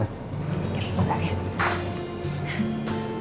oke sebentar ya